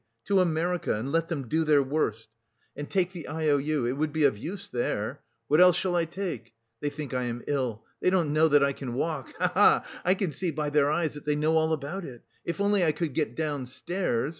to America, and let them do their worst! And take the I O U... it would be of use there.... What else shall I take? They think I am ill! They don't know that I can walk, ha ha ha! I could see by their eyes that they know all about it! If only I could get downstairs!